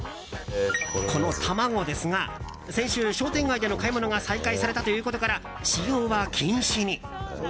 この卵ですが先週、商店街での買い物が再開されたということから使用は禁止に。